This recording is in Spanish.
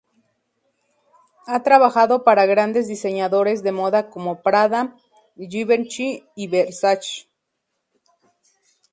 Ha trabajado para grandes diseñadores de moda como Prada, Givenchy y Versace.